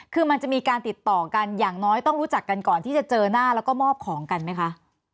คือมันจะมีการติดต่อกันอย่างน้อยต้องรู้จักกันก่อนที่จะเจอหน้าแล้วก็มอบของกันไหมคะ